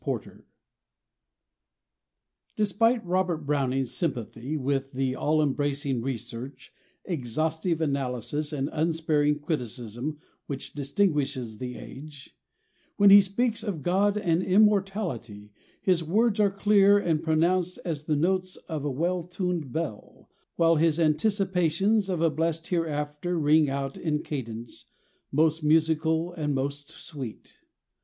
prefatory* ESPITE Robert Browning's sympathy with the all embrac ing research, exhaustive analy sis and unsparing criticism which distinguishes the age, when he speaks of God and immortality his words are clear and pronounced as the notes of a well tuned bell, while his anticipations of a blessed hereafter ring out in cadence most musical, most sweet."